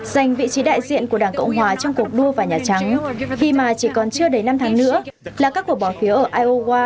giành vị trí đại diện của đảng cộng hòa trong cuộc đua và nhà trắng khi mà chỉ còn chưa đến năm tháng nữa là các cuộc bỏ phiếu ở iowa bắt đầu quá trình đề cử tổng thống của đảng này